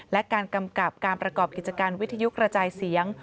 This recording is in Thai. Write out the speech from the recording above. และการกำกับการประกอบกิจการวิทยุกระจายเสียง